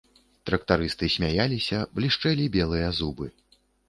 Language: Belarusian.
Трактарысты смяяліся, блішчэлі белыя зубы.